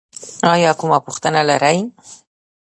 ایا کومه پوښتنه لرئ؟